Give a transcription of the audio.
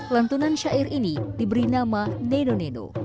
lentunan syair ini diberi nama neno neno